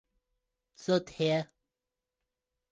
Sudhir.